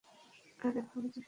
আর এভাবে চুষে দিবি!